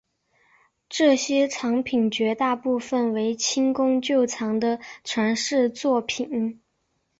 这些藏品绝大部分为清宫旧藏的传世作品。